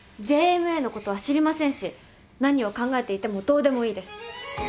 ＪＭＡのことは知りませんし何を考えていてもどうでもいいです。